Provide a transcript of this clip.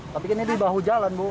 tapi ini di bahu jalan bu